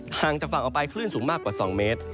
ห่างจากฝั่งออกไปคลื่นสูงมากกว่า๒เมตร